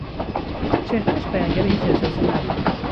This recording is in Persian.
چهرهاش بیانگر هیچ احساسی نبود.